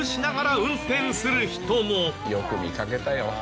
よく見かけたよ。